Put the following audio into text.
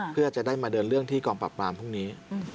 เพื่อจะได้มาเดินเรื่องที่กองปรับปรามพรุ่งนี้